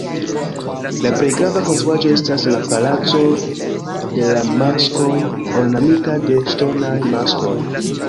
La plej grava konstruaĵo estas la "palaco de la maskoj", ornamita de ŝtonaj maskoj.